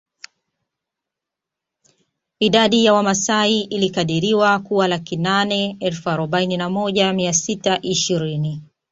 Idadi ya Wamasai ilikadiriwa kuwa laki nane elfu arobaini na moja mia sita ishirini